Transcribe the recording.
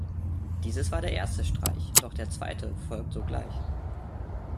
Dieses war der erste Streich, doch der zweite folgt sogleich.